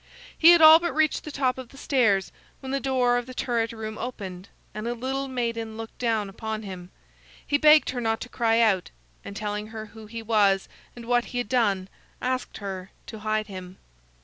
He had all but reached the top of the stairs when the door of the turret room opened, and a little maiden looked down upon him. He begged her not to cry out, and telling her who he was and what he had done, asked her to hide him.